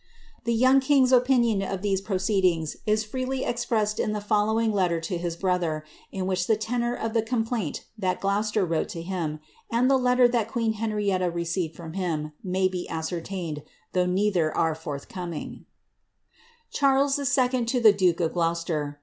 The young king^s opinion of these proceedings is freely expressed in the following letter to his brother, in which the tenour of the complaint that Gloucester wrote to him, and the letter that queen Henrietta receired from him, may be ascertained, though neither are forthcoming :^ CiuaLii 11. TO TUB DuKB or Gloccbtbr.'